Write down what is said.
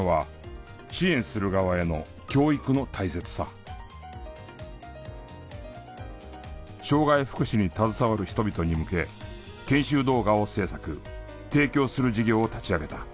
痛感したのは障がい福祉に携わる人々に向け研修動画を制作提供する事業を立ち上げた。